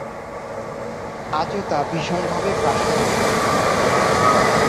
আজও তা ভীষণভাবে প্রাসঙ্গিক।